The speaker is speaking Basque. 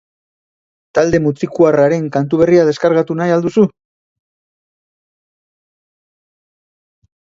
Talde mutrikuarraren kantu berria deskargatu nahi al duzu?